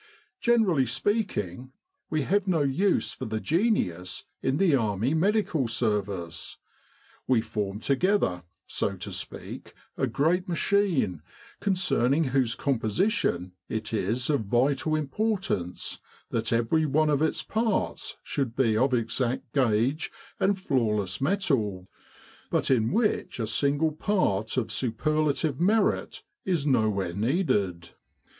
Generally speaking, we have no use for the genius in the Army Medical Service. We form together, so to speak, a great machine, concerning whose composition it is of vital importance that every one of its parts should be of exact gauge and flawless metal, but in which a single part of superlative merit is nowhere needed.